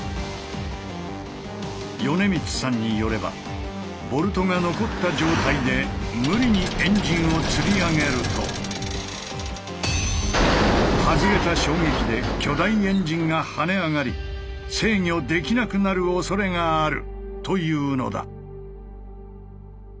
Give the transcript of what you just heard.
米満さんによればボルトが残った状態で無理にエンジンをつり上げると外れた衝撃で巨大エンジンが跳ね上がり制御できなくなるおそれがあるというのだ。